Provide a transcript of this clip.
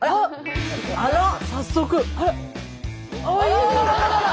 あら⁉早速。